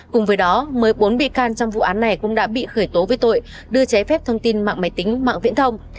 cùng với đó mới bốn bị can trong vụ án này cũng đã bị khởi tố với tội đưa trái phép thông tin mạng máy tính mạng viễn thông